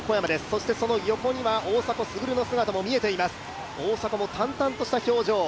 そしてその横には大迫傑の姿も見えています、大迫も淡々とした表情。